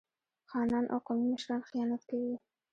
خانان او قومي مشران خیانت کوي.